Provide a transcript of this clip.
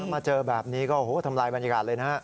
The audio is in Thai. มาเจอแบบนี้ก็โอ้โหทำลายบรรยากาศเลยนะฮะ